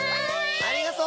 ありがとう！